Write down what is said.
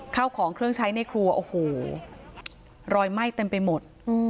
ข้าวของเครื่องใช้ในครัวโอ้โหรอยไหม้เต็มไปหมด